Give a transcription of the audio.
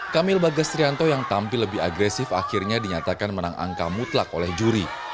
kamil bagas trianto yang tampil lebih agresif akhirnya dinyatakan menang angka mutlak oleh juri